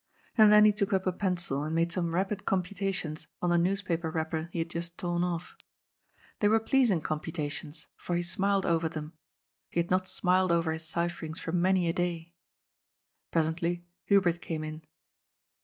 And then he took up a pencil and made some rapid computations on the news paper wrapper he had just torn off. They were pleasing BROTHERS IN UNITY. 889 computations, for he smiled oyer them. He had not smiled over his cipherings for many a day. Presently Hubert came in.